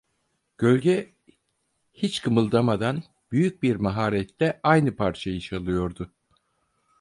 Gölge hiç kımıldamadan, büyük bir maharetle aynı parçayı çalıyordu.